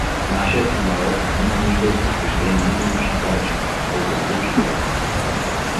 — Нашият народ има нужда от просвещение и нищо повече — възрази учителят.